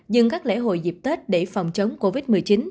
dừng các lễ hội dịp tết để phòng chống covid một mươi chín